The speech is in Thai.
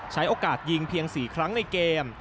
ใช้โอกาสยิงเพียง๔ครั้งในเกม